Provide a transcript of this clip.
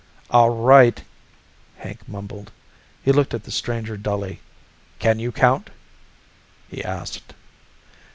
"All right," Hank mumbled. He looked at the stranger dully. "Can you count?" he asked.